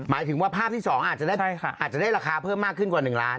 หมายถึงว่าภาพที่๒อาจจะได้ราคาเพิ่มมากขึ้นกว่า๑ล้าน